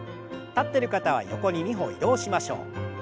立ってる方は横に２歩移動しましょう。